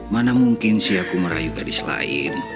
mana mungkin si aku merayu gadis lain